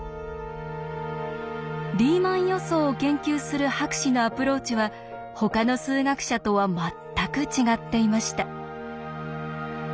リーマン予想を研究する博士のアプローチはほかの数学者とは全く違っていました。